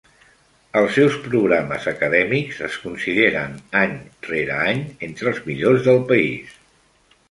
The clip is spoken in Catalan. Els seus programes acadèmics es consideren any rere any entre els millors del país.